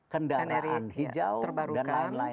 kendaraan hijau dan lain lain